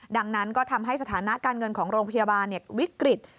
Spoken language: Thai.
ดังนั้นก็ทำให้สถานะการเงินของโรงพยาบาลวิกฤต